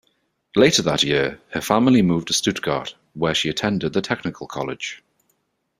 Later that year, her family moved to Stuttgart, where she attended the Technical College.